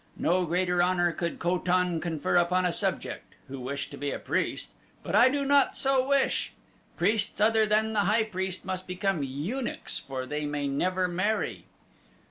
No greater honor could Ko tan confer upon a subject who wished to be a priest, but I did not so wish. Priests other than the high priest must become eunuchs for they may never marry.